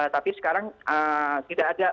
tapi sekarang tidak ada